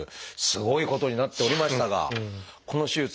すごいことになっておりましたがこの手術